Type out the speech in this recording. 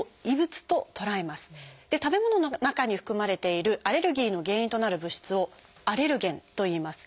食べ物の中に含まれているアレルギーの原因となる物質を「アレルゲン」といいます。